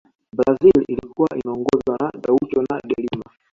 brazil ilikuwa inaongozwa na gaucho na delima